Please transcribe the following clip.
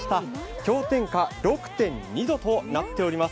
氷点下６．２度となっています。